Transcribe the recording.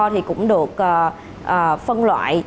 thì cũng được phân loại